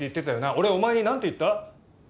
俺お前に何て言った？